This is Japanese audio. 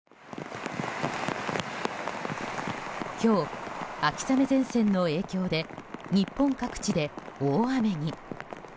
今日、秋雨前線の影響で日本各地で大雨に。